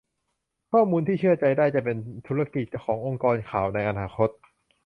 ข้อมูลที่เชื่อใจได้ จะเป็นธุรกิจขององค์กรข่าวในอนาคต